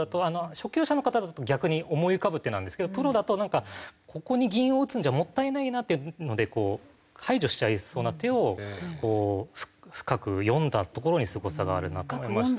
初級者の方だと逆に思い浮かぶ手なんですけどプロだと「ここに銀を打つんじゃもったいないな」っていうので排除しちゃいそうな手を深く読んだところにすごさがあるなと思いまして。